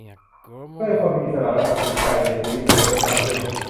เพื่อให้คนมีอิสระและตัดสินใจในชีวิตตัวเองได้มากขึ้น